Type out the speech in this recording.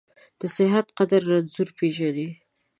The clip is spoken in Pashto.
د صحت قدر رنځور پېژني.